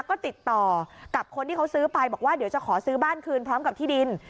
ก็ติดต่อกับคนที่เขาซื้อไปบอกว่าเดี๋ยวจะขอซื้อบ้านคืนพร้อมกับที่ดิน